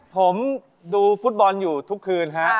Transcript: ผมดูฟุตบอลอยู่ทุกคืนฮะ